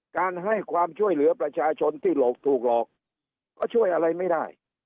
การให้ความช่วยเหลือประชาชนที่หลอกถูกหลอกก็ช่วยอะไรไม่ได้